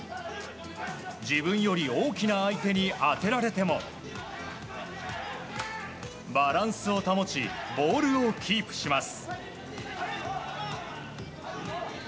自分より大きな相手に当てられてもバランスを保ちボールをキープします。